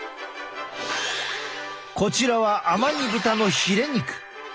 こちらはアマニ豚のヒレ肉。